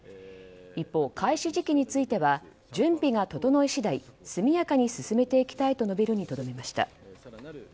一方、開始時期については準備が整い次第速やかに進めていきたいと述べるにとどめました。